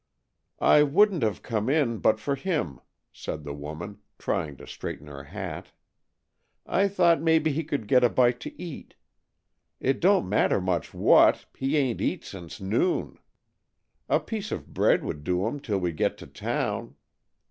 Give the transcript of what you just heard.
"I wouldn't have come in, but for him," said the woman, trying to straighten her hat. "I thought maybe he could get a bite to eat. It don't matter much what, he ain't eat since noon. A piece of bread would do him 'til we get to town."